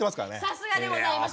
さすがでございます！